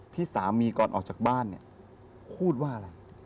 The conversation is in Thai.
ที่สามีก่อนออกจากบ้านเนี่ยพูดว่าอะไร